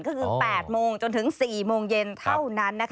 ก็คือ๘โมงจนถึง๔โมงเย็นเท่านั้น